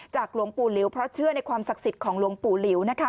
หลวงปู่หลิวเพราะเชื่อในความศักดิ์สิทธิ์ของหลวงปู่หลิวนะคะ